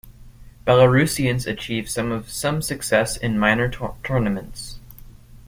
Belarusians achieved some success in minor tournaments.